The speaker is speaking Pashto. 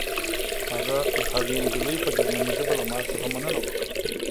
هغې نجلۍ په جرمني ژبه له ما څخه مننه وکړه